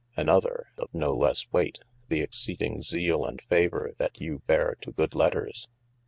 An other (of no lesse weight) the exceding zeale and favour that you beare to good letters.